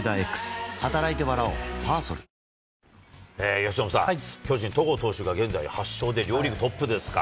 由伸さん、巨人、戸郷投手が現在、８勝で両リーグトップですか。